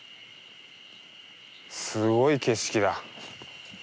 すごい景色だ。